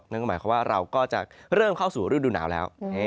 นั่นก็หมายความว่าเราก็จะเริ่มเข้าสู่ฤดูหนาวแล้ว